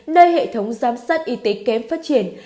nơi hệ thống giám sát y tế kém phát triển